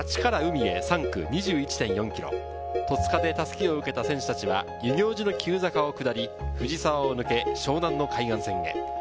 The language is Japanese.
街から海へ３区２１．４ｋｍ、戸塚で襷を受けた選手たちは遊行寺の急坂を下り、藤沢を抜け湘南の海岸線へ。